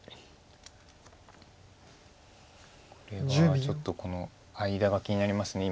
これはちょっとこの間が気になります。